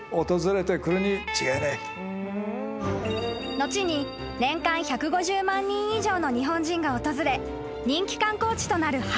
［後に年間１５０万人以上の日本人が訪れ人気観光地となるハワイ］